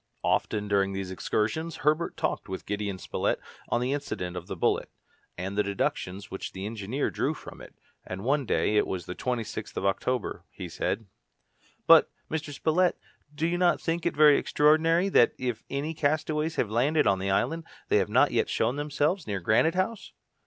Often during these excursions, Herbert talked with Gideon Spilett on the incident of the bullet, and the deductions which the engineer drew from it, and one day it was the 26th of October he said, "But, Mr. Spilett, do you not think it very extraordinary that, if any castaways have landed on the island, they have not yet shown themselves near Granite House?"